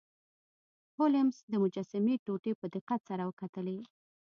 هولمز د مجسمې ټوټې په دقت سره وکتلې.